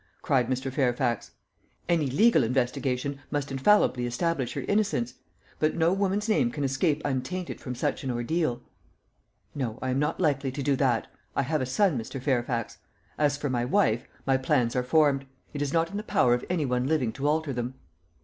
cried Mr. Fairfax. "Any legal investigation must infallibly establish her innocence; but no woman's name can escape untainted from such an ordeal." "No, I am not likely to do that. I have a son, Mr. Fairfax. As for my wife, my plans are formed. It is not in the power of any one living to alter them."